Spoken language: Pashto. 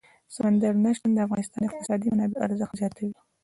سمندر نه شتون د افغانستان د اقتصادي منابعو ارزښت زیاتوي.